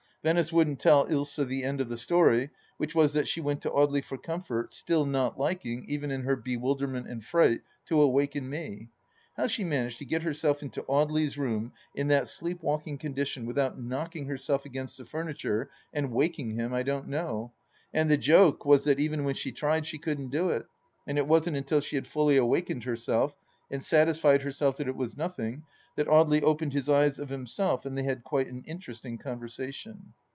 Venice wouldn't tell Ilsa the end of the story, which was that she went to Audely for comfort, still not liking, even in her be wilderment and fright, to awaken me. How she managed to get herself into Audely's room in that sleep walkiag con dition without knocking herself against the furniture and waking him, I don't know, and the joke was that even when she tried she couldn't do it, and it wasn't until she had fully awakened herself and satisfied herself that it was nothing, that Audely opened his eyes of himself and they had quite an interesting conversation.